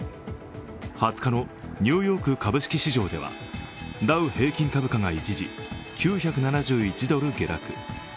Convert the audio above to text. ２０日のニューヨーク株式市場ではダウ平均株価が一時９７１ドル下落。